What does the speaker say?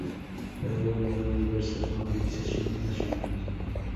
Luego vinieron diversas movilizaciones nacionales.